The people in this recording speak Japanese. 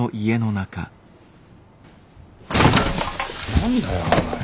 何だよおい